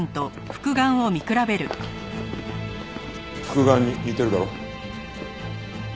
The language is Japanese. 復顔に似てるだろ？